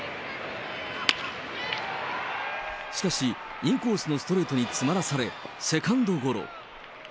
しかし、インコースのストレートに詰まらされ、セカンドゴロ。